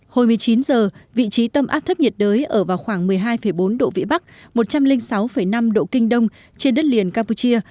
hồi một mươi chín giờ vị trí tâm áp thấp nhiệt đới ở vào khoảng một mươi hai bốn độ vĩ bắc một trăm linh sáu năm độ kinh đông trên đất liền campuchia